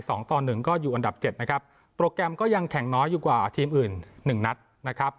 สองต่อหนึ่งก็อยู่อันดับเจ็ดนะครับโปรแกรมก็ยังแข่งน้อยอยู่กว่าทีมอื่นหนึ่งนัดนะครับ